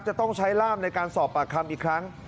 จะต้องใช้ร่ามในการสอบปากคำอีกครั้ง